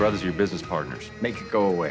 ketua tua adalah partner bisnis anda